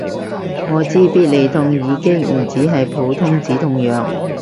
我知必理痛已經唔止係普通止痛藥